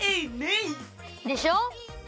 でしょ？